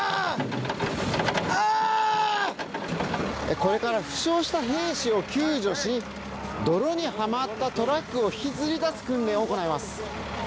これから負傷した兵士を救助し泥にはまったトラックを引きずり出す訓練を行います。